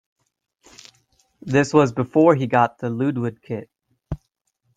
This was before he got the Ludwig kit.